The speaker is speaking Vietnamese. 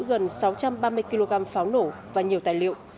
gần sáu trăm ba mươi kg pháo nổ và nhiều tài liệu